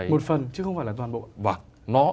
một phần chứ không phải là toàn bộ